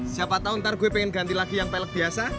siapa tahu ntar gue pengen ganti lagi yang pelek biasa